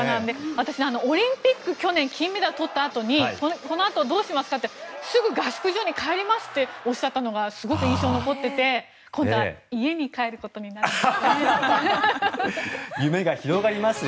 私、オリンピック、去年金メダルを取ったあとにこのあと、どうしますかってすぐ合宿所に帰りますっておっしゃったのが秋篠宮ご夫妻が人間国宝らによる琉球舞踊をご覧になりました。